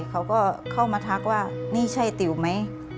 เขาก็เข้ามาทักว่านี่ใช่ติ๋วไหม